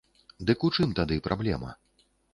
Дык у чым тады праблема?